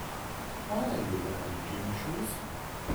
Why are you wearing gym shoes?